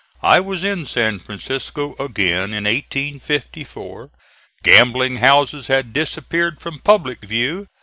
I was in San Francisco again in 1854. Gambling houses had disappeared from public view.